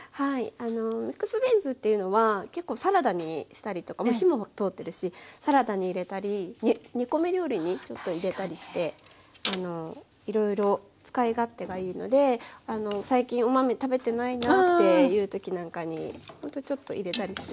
あのミックスビーンズっていうのは結構サラダにしたりとかもう火も通ってるしサラダに入れたり煮込み料理にちょっと入れたりしていろいろ使い勝手がいいので最近お豆食べてないなっていうときなんかにほんとちょっと入れたりして。